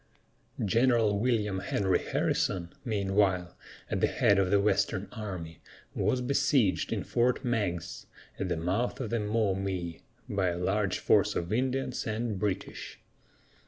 General William Henry Harrison, meanwhile, at the head of the western army, was besieged in Fort Meigs, at the mouth of the Maumee, by a large force of Indians and British.